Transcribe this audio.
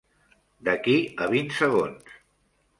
D'aquí a vint segons.